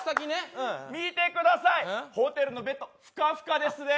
見てください、ホテルのベッド、ふかふかですね。